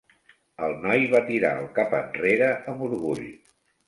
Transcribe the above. El noi va tirar el cap enrere amb orgull.